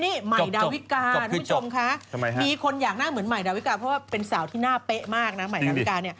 นี่ใหม่ดาวิกาทุกผู้ชมคะมีคนอยากหน้าเหมือนใหม่ดาวิกาเพราะว่าเป็นสาวที่หน้าเป๊ะมากนะ